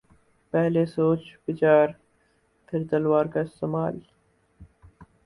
پہلے سوچ بچار پھر تلوار کااستعمال۔